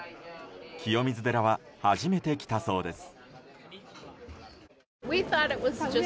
清水寺は初めて来たそうです。